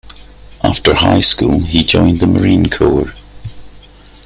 After high school, he joined the Marine Corps.